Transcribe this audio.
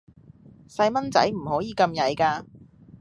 細孥仔唔可以咁曳架